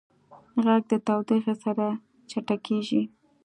غږ د تودوخې سره چټکېږي.